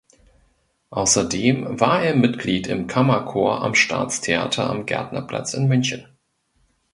Außerdem war er Mitglied im Kammerchor am Staatstheater am Gärtnerplatz in München.